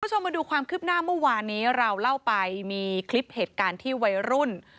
คุณผู้ชมมาดูความคืบหน้าเมื่อวานนี้เราเล่าไปมีคลิปเหตุการณ์ที่วัยรุ่น